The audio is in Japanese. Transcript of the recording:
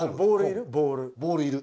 ボールいる？